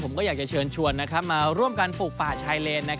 ผมก็อยากจะเชิญชวนมาร่วมกันปลูกป่าชายเลน